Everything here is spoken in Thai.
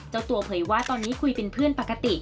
เจ้าตัวเผยว่าตอนนี้คุยเป็นเพื่อนปกติ